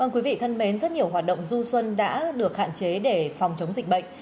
quý vị thân mến rất nhiều hoạt động du xuân đã được hạn chế để phòng chống dịch bệnh